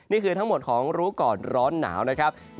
นี้คือของงานรู้ก่อนร้อนหนาวนะครับ